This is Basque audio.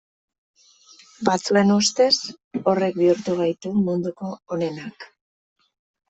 Batzuen ustez horrek bihurtu gaitu munduko onenak.